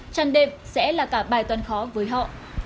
trăn đệm sẽ là cả bài toàn khó với họ